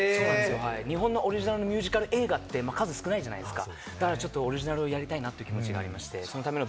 日本のオリジナルのミュージカル映画って、数少ないじゃないですか。